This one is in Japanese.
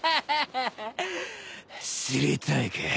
知りたいか？